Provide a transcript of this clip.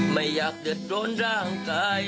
ไม่อยากเดินโดนร่างกาย